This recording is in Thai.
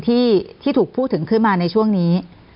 ที่ถูกพูดถึงขึ้นมาในช่วงนี้